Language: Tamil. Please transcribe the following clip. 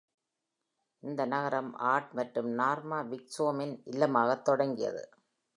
இந்த நகரம் ஆர்ட் மற்றும் நார்மா விக்சோமின் இல்லமாகத் தொடங்கியது.